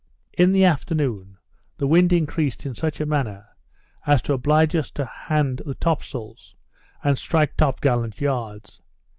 In the afternoon the wind increased in such a manner, as to oblige us to hand the top sails, and strike top gallant yards.